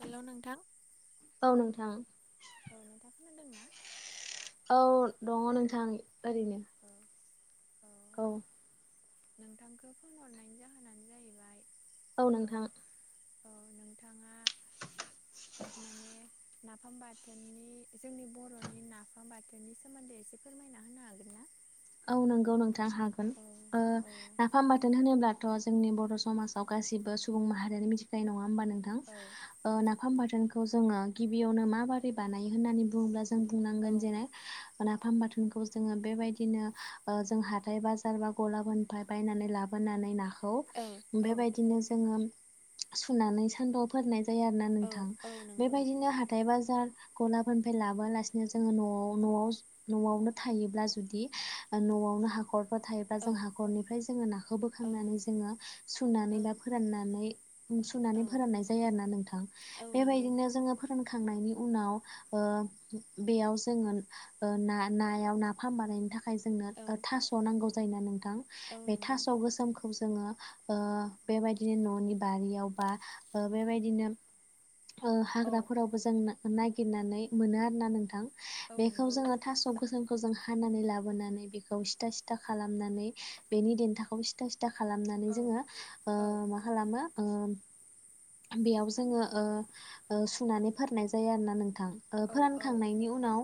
Hello नोंथां औ नोंथां औ नोंथां खोनादोंना? औ दङ' नोंथां ओरैनो। औ औ नोंथांखौ फन हरनायनि जाहोनानो जाहैबाय औ नोंथां। औ नोंथाङा माने नाफाम बाथोननि जोंनि बर'नि नाफाम बाथोननि सोमोन्दै एसे फोरमायना होनो हागोन ना? औ नोंगौ नोंथां हागोन, औ ओ औ नाफाम बाथोन होनोब्ला थ' जोंनि बर' समाजाव गासिबो सुबुं माहारियानो मिथिखायो नङा होमबा नोंथां? नाफाम बाथोनखौ जोङो गिबियावनो माबोरै बानायो होननानै बुङोब्ला जों औ बुंनांगोन जेरै नाफाम बाथोनखौ जोङो बेबायदिनो ओ जों हाथाय बाजार बा गलाफोरनिफ्राय बायनानै लाबोनानै नाखौ औ बेबायदिनो जोङो सुनानै सान्दुंआव फोराननाय जायो आरोना नोंथां, औ नंगौ बेबायदिनो हाथाय बाजार गला फोरनिफ्राय लाबोआलासिनो जोङो न'वाव न'आव न'वावनो थायोब्ला जुदि न'आवनो हाखर थायोबा औ जों हाखरनिफ्राय जोङो नाखौ औ बोखांनानै जोङो औ सुनानै बा फोराननानै सुनानै औ फोराननाय जायो आरो ना नोंथां। औ नंगौ बेबायदिनो जोङो फो रानखांनायनि उनाव ओ बेयाव जोङो ओ ना-नायाव नाफाम बा थोननि थाखाय औ जोंनो थास' नांनौ जायो ना नोंथां, औ बे नंगौ थास' गोसोम खौ जोङो ओ बेबायदिनो न'नि बारियाव बा बेबायदिनो ओ औ हाग्राफोरावबो जों नागिरनानै मोनो आरो ना नोंथां। औ बेखौ नंगौ जोङो थास' गोसोमखौ जों हानानै लाबोनानै बेखौ सिथा सिथा खालामनानै बेनि देन्थाखौ सिथा सि था खालामनानै औ जोङो ओ औ मा खालामो ओ बेयाव सान औ जोङो ओ ओ सुनानै फोराननाय जायो आरो ना नोंथां। औ फोरानखांनायनि उनाव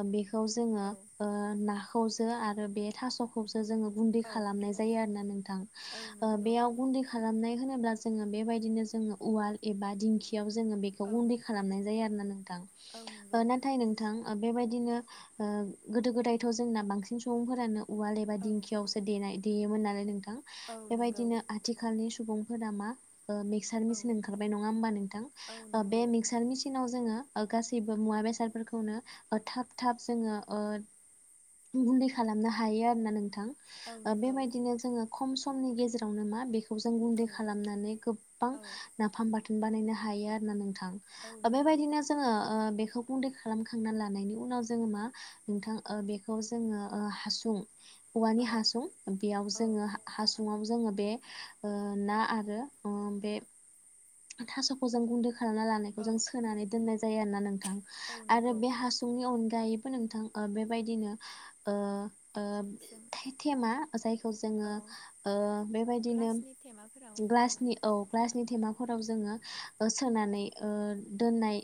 ओ बेखौ जोङो औ ओ नाखौ जो आरो बे थास'खौजो जोङो गुन्दै औ खालानाय जायो आरो ना नोंथां। औ ओ नंगौ बेयाव गुन्दै खालामनाय होनो ब्ला जोङो बेबायदिनो जोङो उवाल एबा दिंखियाव जोङो बेखौ औ गुन्दै खालामनाय जायो आरो ना नोंथां। औ नंगौ ओ नाथाय नोंथां ओ बेबायदिनो ओ गोदो गोदायथ' जोंना बांसिन सुबुंफोरानो उवाल एबा औ दिंखियावसो देनाय देयोमोन नालाय नोंथां‌। औ नंगौ बेबायदिनो आथिखालनि सु बुंफोरा मा ओ मिक्चार औ ओंखारबाय नङा ओमबा नोंथां औ बे नंगौ मिक्चार मेचिनाव जोङो गासैबो मुवा बेसादफोरखौनो ओ थाब थाब जोङो ओ गुन्दै खालामनो हायो आरो ना नोंथां। औ ओ नंगौ बेबायदिनो जोङो खम समनि गेजेरावनो मा बे खौ जों गुन्दै औ खालामनानै गोबां औ नाफाम बाथोन बानायनो हायो आरो ना नोंथां। औ ओ नंगौ बेबायदिनो जोङो ओ बे खौ गुन्दै खालामखांनानै लानायनि उनाव जोङो मा नोंथां ओ बेखौ जोङो ओ हासुं औवानि औ हासुं बेयाव औ जोङो हासुं न'आव जोङो बे ओ ना आरो ओ बे थास'खौ जों गुन्दै खालामना लानायखौ औ जों सोनानै दोननाय जायो आरोना नों थां औ आरो नंगौ बे हासुंनि अनगायैबो नोंथां ओ बेबायदिनो ओ ओ जों थेमा जायखौ जोंङो औ बेबायदिनो ग्लासनि थेमाफोराव ग्लासनि औ ग्लासनि थेमा फोराव जोंङो ओ सोनानै ओ दोननाय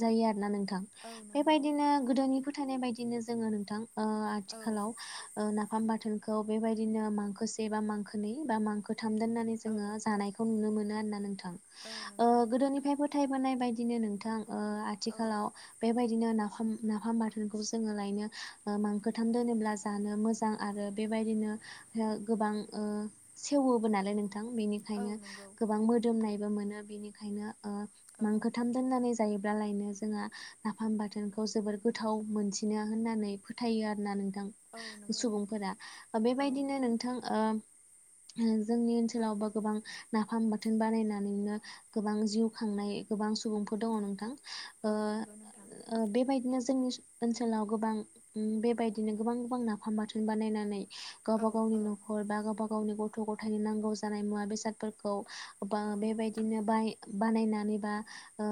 जायो आरोना नों औ नंगौ बेबायदिनो गोदोनि फोथायनाय बायदिनो जोङो नोंथां ओ औ आथिखालाव ओ ना बाथोनखौ बेबायदिनो मांखोसे बा मांखोनै बा मांखो थाम दोनानै औ जोंङो जानायखौ नुनो मोनो आरोना नोंथां औ ओ नंगौ नोंथां गोदोनिफ्राइ फोथाइबोनाय बेबायदिनो नोंथां ओ औ आथिखालाव बेबायदि बेबायदिनो नाफाम नाफाम बाथोनखौ जोंङो लायनो ओ मांखोथाम दोनोब्ला जानो मोजां आरो बे बेबायदिनो गोबां ओ सेवबो नालाय नोंथां औ बेनिखायनो नंगौ गोबां मोदोमनायबो मोनो बेनिखायनो ओ औ मांखोथाम दोननानै जायोब्लाालायनो जोंहा नाफाम बाथोनखौ जोबोर गोथाव मोनसिनो होननानै फोथायो आरोना नोंथां औ नंगौ सुबुंफोरा औ बेबायदिनो नोंथां ओ उम जोंनि औ ओनसोलावबो गोबां नाफाम बाथोन बानायना माननो गोबां जिउ खांनाय गोबां सुबुंफोर दङ नोंथां ओ औ नंगौ नोंथां ओ बेबायदिनो जोंनि ओनसोलाव गोबां बेबायदिनो गोबां गोबां नाफाम बाथोन बानायनानै औ गावबा गावनि औ नखर बा गावबा गावनि गथ गथायनि नांगौ जानाय मुवा बेसादफोरखौ बा औ बेबायदिनो बाय बानायनानै बा ओ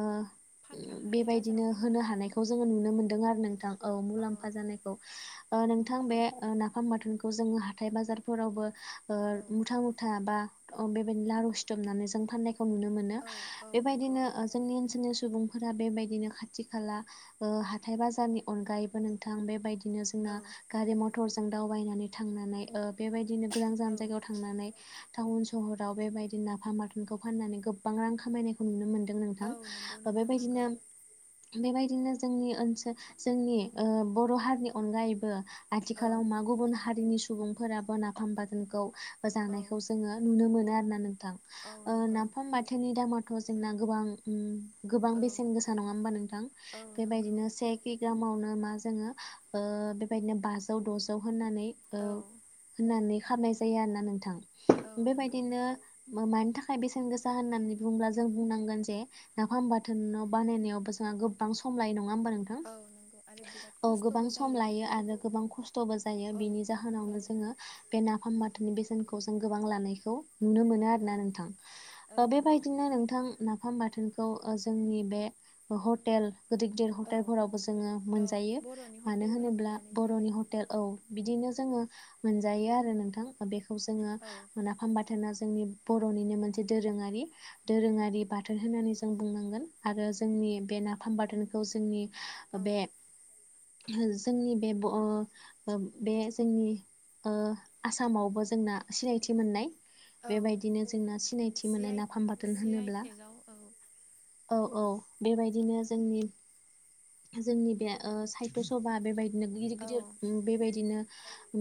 फान हाथाय बाजाराव बेबायदिनो होनो फानलांनानै हानायखौ जोंङो नुनो मोनदों आरो नोंथां औ मुलाम्फा जानायखौ ओ नोंथां बे औ नाफाम बाथोनखौ जोंङो हाथाय बाजारफोरावबो ओ औ मुथा मुथा बा अ बेबायदिनो लारु सिथोबनानै जों फान्नायखौ नुनो मोनो औ औ नंगौ बेबायदिनो जोंनि ओनसोलनि सुबुंफोरा बेबायदिनो खाथि खाला ओ हाथाय बाजारनि अनगायैबो नोंथां बेबायदि बिदिनो जोंना औ गारि मथरजों दावबायनानै थांनानै ओ बेबायदिनो गोजान गोजान औ जायगायाव थांनानै टाउन सहराव बेबायदिनो नाफाम बाथोनखौ फाननानै गोबां रां खामायनायखौ नुनो मोनदों नोंथां औ नंगौ नोंथां बेबायदिनो नंगौ बेबायदिनो जोंनि ओनसोल जोंनि ओ बर' हारिनि अनगायैबो औ आथिखालाव मा गुबुन हारिनि सुबुंफोराबो नाफाम बाथानखौ औ जानायखौ जोंङो नुनो मोनो आरो ना नोंथां औ ओ नंगौ नाफाम बाथोननि दामाथ' जोंना गोबां गोबां औ बेसेन गोसा नङा होमबा नोंथां औ नंगौ बेबायदिनो से कि गामावनो नाफाम आ जोङो ओ बेबादिनो बाजौ दजौ औ होननानै फाननाय जायो आरोना नोंथां औ नंगौ बेबायदिनो मानि थाखाय बेसेन गोसा होननानै बुंङोब्ला जों बुंनांगोन जे नाफाम बाथोनाव बानायनायाव बेसेबां गोबां सम लाय नङा नंङा होनबा नोंथां औ नंगौ आरो बिराद औ गोबां खस्थ'बो सम जायो लायो आरो गोबां खस्थ'बो जायो औ बिनि औ जाहोनावनो जोङो बे नाफामब बेसेनखौ जों गोबां लानायखौ नुनो मोनो औ आरोना नोंथां औ ओ नंगौ बेबायदिनो नोंथां नाफाम बाथोनखौ ओ जोंनि बे हटेल गिदिर गिदिर औ हटेलफोरावबो जोङो औ मोनजायो बर'नि मानो हटेलफोराव होनोब्ला मोनजानाय जायो बर'नि हटेल औ बिदिनो जोङो मोनजायो आरो नोंथां बेखौ जोङो औ नाफाम बाथोनाव जोंनि बर'निनो मोनसे दोरोङारि दोरोङारि बाथोन होननानै जों बुंनांगोन आरो जोंनि बे नाफाम बाथोनखौ जोंनि औ बे जोंनि बे ब ओ बे जोंनि ओ आसामावबो जोंना सिनायथि मोननाय औ बेबायदिनो जोंना सिनायथि सिनायथि जि मोन्नाय आइ नाफाम बाथोन जि आइ होनोब्ला टेकआव औ औ औ बेबायदि बिदिनो जों जोंनि बे साहत्य सभा बेबायदि बिदिनो गिदिर औ गिदिर बेबायदिनो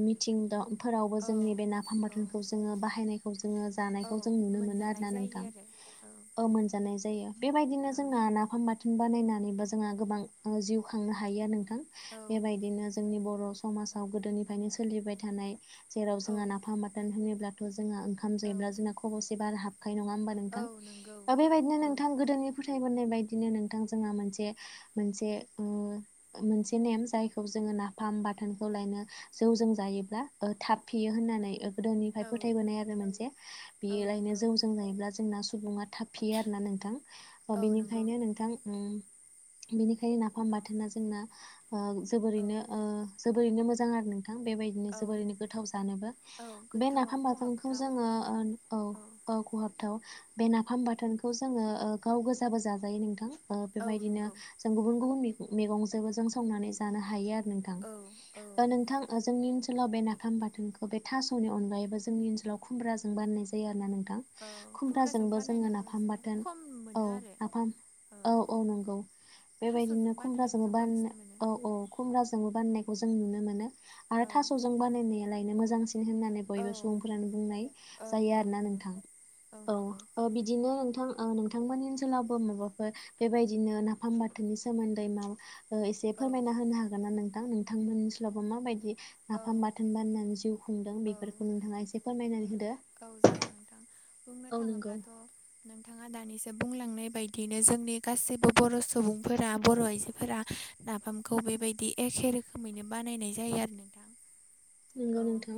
मिथिं दं फोरावबो औ जोंनि बे नाफाम औ बाथोनखौ जोंङो बाहायनायखौ जोंङो औ जानायखौ जों नुनो मोनो मोनो मोनजानाय आरोना नोंथां जायो आरो औ औ अ मोनजानाय जायो बेबायदिनो जोंना ना फाम बा थुन बानायनानैबो जोंहा गोबां उम जिउ खांनो हायो आरो नोंथां बेबायदिनो जोंनि ब बर' समासाव गोदोनिफ्रायनो सोलिबाय थानाय जेराव औ जोंहा नाफाम बाथोन होनोब्ला जोंआ ओंखाम औ जायोब्ला जोंना खब'से बारा हाबखायो नङा होमबा औ नोंथां? नंगौ दा बेबायदिनो औ नोंथां गोदोनि फोथाय बोनायनाय बायदिनो नोंथां जोंहा मोनसे मोनसे उम मोनसे नेम जायखौ जोङो नाफाम बाथोनखौ लायनो जौजों जायोब्ला ओ थााब फेयो होननानै गोदोनिफ्राय औ फोथायबोनाय आरो मोनसे औ बियोलायनो नंगौ जौजों जायोब्ला जोंना सुबुङा थाब फेयो आरोना नोंथां अ औ नंगौ बेनिखायनो नोंथां उम बिनि खाय नाफाम बाथोना जोंना आ औ औ जोबोरैनो ओ जोबोरैनो मोजां आरो नों थां बेबायदिनो औ जोबोरैनो गोथाव जानोबो औ बे गोथाव आरो नाफाम बाथोनखौ खहाबथाव जोङो ओन औ हरथाव बे नाफाम बाथोनखौ जोङो ओ गाव गोजाबो जाजायो नोंथां। ओ औ बेबायदिनो नंगौ जों गुबुन गुबुन मैग-मैगंजोंबो जों संनानै जानो हायो आरो नोंथां औ औ ओ नोंथां जोंनि ओनसो लाव बे नाफाम बाथोनखौ बे थास'नि अनगायैबो जोंनि ओनसोलाव खुमब्राजों बाननाय जायो आरोना नों थां औ खुमब्राजों खुमब्राजोंबो जोङो बानायनायखौ नाफाम एसे बाथोन खम औ मोनो आरो नाफाम औ औ नंगौ थास'जों बेबायदिनो बानायनायखौ खुमब्राजोंबो जों बाननो बांसिन मोनो औ औ खुम्ब्रा जोंबो बानायनायखौ जों नुनो मोनो आरो औ थास'जों बानायनाया लायनो मोजांसि न होननानै औ बयबो सुबुंफोरानो बुंनाय औ जायो औ आरोना नंगौ नोंथां। औ अ बिदिनो नों थां ओ नोंथांमोननि ओनसोलावबो माबाफोर बेबायदिनो नाफाम बाथोननि सोमोन्दै माबा ओ एसे औ फोरमायना होनो हागोन ना नोंथां नोंथांमोन ओनसोलावबो माबायदि? औ नाफाम बाथोन बाननानै जिउ खुंदों औ बेफोरखौ नोंथाङा एसे फोरमायनानै होदो। औ जागोन नोंथां बुंनो औ नंगौ थाङोब्लाथ' नोंथाङा दानिसो ओ बुंलांनाय बायदियैनो जोंनि गासैबो बर' सुबुंफोरा बर' आइजो फोरा नाफामखौ बेबायदि एखे रोखोमैनो बानायनाय जायो आरो नोंथां नोंगौ औ नोंथां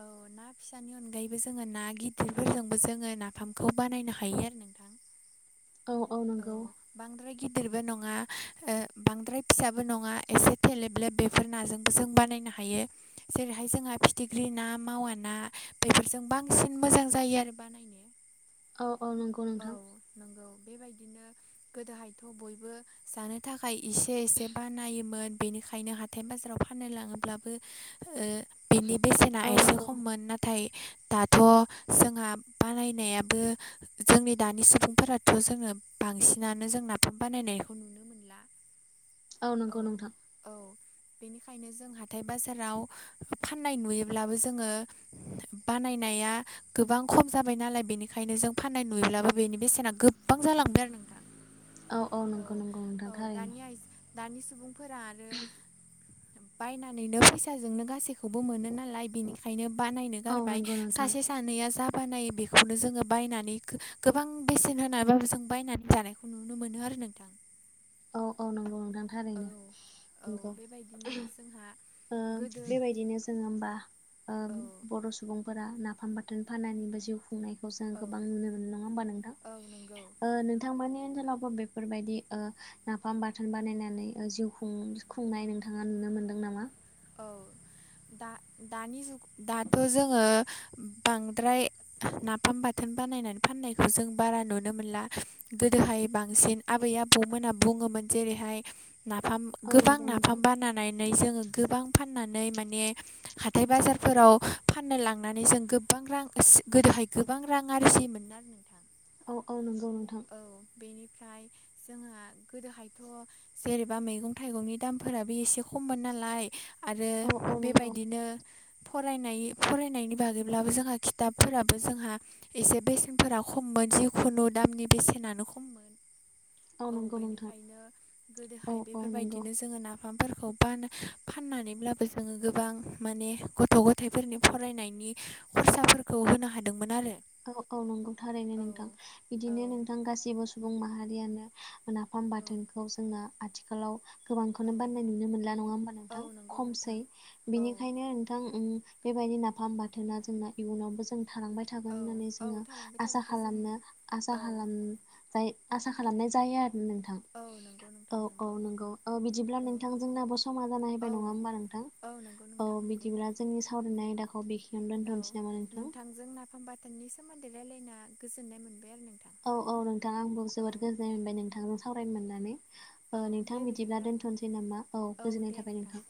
औ ना फिसानि अनगायैबो जोङो ना गिदिरफोरजोंबो जोङो नाफामखौ बानायनो हायो आरो नोंथां [inaudible] औ औ नंगौ गिदिरबो नङा ओ बांद्राय फिसाबो नङा एसे थेलेबलेब बेफोर नाजोंबो जों बानाय नो हायो जेरैहाय जोंहा फिथिख्रि ना मावा ना बेफोरजों बांसिन मोजां जायो आरो बानायनो अ अ नंगौ औ नोंथां नंगौ बेबायदिनो गोदोहायथ' बयबो जानो थाखाय इसे एसे बानायोमोन बेनिखायनो हाथाय बाजाराव फाननो लाङोब्लाबो ओ बिनि बेसेना औ एसे नंगौ खममोन नाथाय दाथ' जोंहा बानायनायाबो जोंनि दानि सुबुंफोराथ' जोङो बांसिनानो जों नाफाम बानायनायखौ नुनो मोन ला औ नंगौ नोंथां बेनिखायनो जों हाथाय बाजाराव फाननाय नुयोब्लाबो जोङो बानाय नाया गोबां खम जाबाय नालाय बेनिखायनो जों फाननाय नुयोब्लाबो बेनि बेसेना गोब्बां जालांबाय आरो नोंथां औ औ नंगौ नंगौ औ नोंथां दानि थारैनो आइ दानि सुबुंफोरा आरो बायनानैनो फैसाजोंनो गासैखौबो मोनो नालाय बेनिखायनो बानायनो औ गारबाय नंगौ नोंथां सासे सानैया जा बानायो बेखौनो जोङो बायना नै गो-गोबां बेसेन होनानैबाबो जों बायनानै जानायखौ नुनो मोनो आरो नोंथां। औ औ नंगौ नोंथां औ थारैनो औ नंगौ बेबायदिनो [unintelligible] जोंहा ओ गोदो बेबायदिनो जोङो होमबा ओ औ बर' सुबुंफोरा नाफाम बा थोन फानानिबो जिउ खुंनाय औ गोबां नुनो मोनो नङा होमबा नोंथां! औ नंगौ नोंथांमोननि ओनसोलाव बेफोरबायदि ओ नाफाम बाथोन बानायनानै जिउ खुं खुंनाय नोंथाङा नुनो मोनदों नामा? औ दनि दानिजुग दाथ' जोङो बांद्राय नाफाम बाथोन बनानै फनाय जों बारा नुनो मोनला गोदोहाय बांसिन आबै आबौमोना बुङो जेरैहाय नाफाम औ गोबां नंगौ नाफाम नोंथां। बानायनानै जोङो नाफाम फैनानै माने हाथाय बाजारफोराव फान्नो लानानै जों गोबां रां दहाय गोबां रां आरजि मोन आरो नोंथां औ औ नंगौ नोंथां ओमफ्राय जोंहा गोदोहायथ' जेनेबा मैगं थाइगंनि दामफोराबो एसे खममोन नालाय लाय आरो औ औ नंगौ बेबायदिनो फरायनाय फरायनायनि बागैब्लाबो जोंहा खिथाबफोराबो जोंहा एसे बेसेनफोरा खम मोनसे खुनु दामनि बेसेनानो खममोन। औ नंगौ नोंथां बेनिखायनो औ गोदोहाय औ नंगौ। बेफोरबायदिनो जोङो ना बिफांफोरखौ फाननानैब्लाबो जोङो गोबां माने गथ' गथायाइफोरनि फराय खरसाफोरखौ होनो हादोंमोन आरो। औ औ नंगौ थारैनो औ नोंथां बिदिनो औ नोंथां गासिबो सुबुं माहारियानो मोनाफाम बाथोनखौ जोङो आथिखालाव औ गोबांखौनो औ बाननाय नुनो मोनला नङा होमबा औ नोंथां नंगौ नोंथां खमसै औ बिनिखायनो नोंथां बेबायदि नाफाम बाथोना जोंना इयुनावबो जों थालांबाय औ होननानै औ जोङो थालांबाय थागोनखौ जों खालामनो आसा औ खालामनाय जायो आरो नोंथां औ नंगौ औ नोंथां औ नंगौ बिदिब्ला औ नोंथांजोंनाबो समा जाना औ फैबाय नङा होमबा नोंथां औ नंगौ औ नोंथां नंगौ बिदिब्ला जोंनि सावरायनाय आयदाखौ बेखिनियावनो दोन्थ'नोसै नामा नोंथां ननि सोमोन्दै रायजलायना गोजोननाय मोनो। औ औ नोंथां आंबो जोबोद गोजोननाय मोनबाय नोंथांजों सावरायनो मोननानै। औ नोंथां दे बिदिब्ला दोनथ'नोसै नामा औ गोजोननाय थाबाय नोंथां